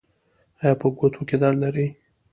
ایا په ګوتو کې درد لرئ؟